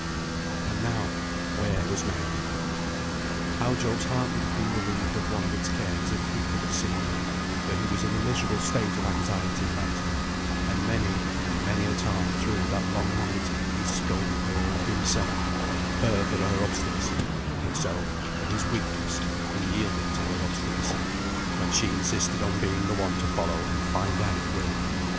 And now, where was Mary? How Job's heart would have been relieved of one of its cares if he could have seen her: for he was in a miserable state of anxiety about her; and many and many a time through that long night he scolded her and himself; her for her obstinacy, and himself for his weakness in yielding to her obstinacy, when she insisted on being the one to follow and find out Will.